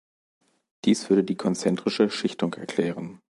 Dies würde die konzentrische Schichtung erklären.